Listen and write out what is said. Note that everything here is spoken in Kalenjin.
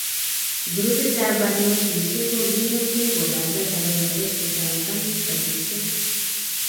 Grupit ab barnotisiek kokinemke kobarta talentait kochangan rabisiek